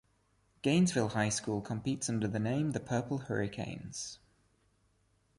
Gainesville High School competes under the name The Purple Hurricanes.